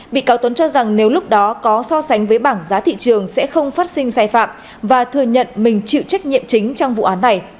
bị cáo tuấn cho rằng nếu lúc đó có so sánh với bảng giá thị trường sẽ không phát sinh sai phạm và thừa nhận mình chịu trách nhiệm chính trong vụ án này